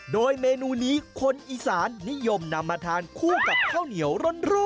โดยเมนูนี้คนอีสานนิยมนำมาทานคู่กับข้าวเหนียวร้อน